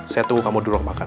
saya tunggu kamu duduk makan